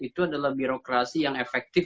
itu adalah birokrasi yang efektif